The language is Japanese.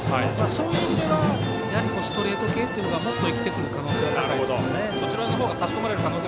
そういう意味ではストレート系というのがもっと生きてくる可能性が高いですね。